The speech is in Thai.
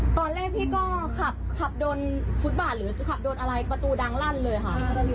ตอนแรกพี่ก็ขับขับโดนฟุตบาทหรือขับโดนอะไรประตูดังลั่นเลยค่ะ